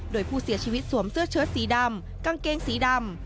โดยผู้เสียชีวิตสวมเสื้อเชิดสีดำกางเกงสีดำ